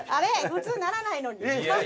普通ならないのに。